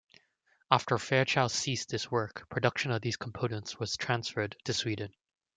After Fairchild ceased this work, production of these components was transferred to Sweden.